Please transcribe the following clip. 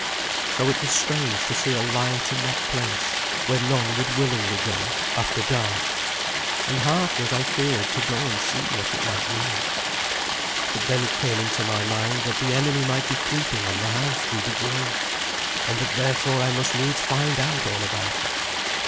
So it was strange to see a light in that place, where none would willingly go after dark, and half was I feared to go and see what it might mean. But then it came into my mind that the enemy might be creeping on the house through the grove, and that therefore I must needs find out all about it.